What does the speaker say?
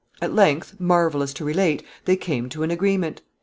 At length, marvelous to relate, they came to an agreement.